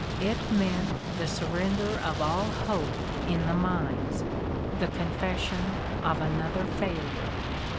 It meant the surrender of all hope in the mines, the confession of another failure."